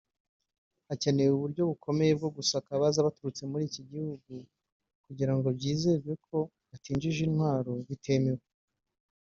“Hakenewe uburyo bukomeye bwo gusaka abaza baturutse muri iki gihugu kugirango byizerwe ko batinjije intwaro bitemewe